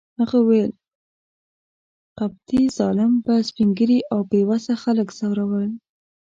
هغه وویل: قبطي ظالم به سپین ږیري او بې وسه خلک ځورول.